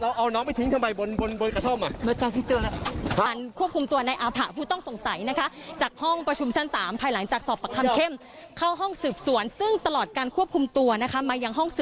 เอาน้องไปทิ้งทำไมบนกระท่อม